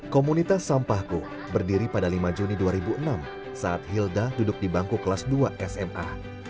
komunitas sampahku berdiri pada lima juni dua ribu enam saat hilda duduk di bangku kelas dua sma